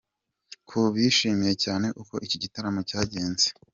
com ko bishimiye cyane uko iki giratamo cyagenze.